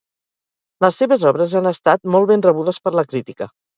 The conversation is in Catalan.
Les seves obres han estat molt ben rebudes per la crítica.